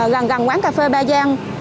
gần gần quán cà phê ba giang